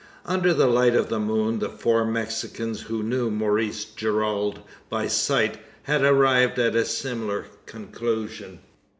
Under the light of the moon the four Mexicans, who knew Maurice Gerald by sight, had arrived at a similar conclusion.